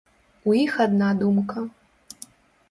У іх адна думка.